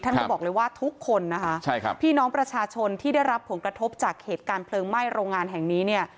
ท่านก็บอกเลยว่าทุกคนนะคะใช่ครับพี่น้องประชาชนที่ได้รับผลกระทบจากเหตุการณ์เพลิงไหม้โรงงานแห่งนี้เนี่ย